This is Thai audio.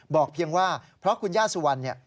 เพียงว่าเพราะคุณย่าสุวรรณเนี่ย